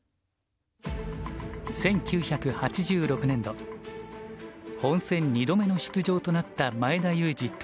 １９８６年度本戦２度目の出場となった前田祐司